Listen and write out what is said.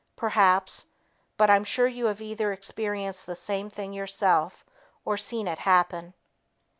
Perhaps, but I'm sure you have either experienced the same thing yourself or seen it happen.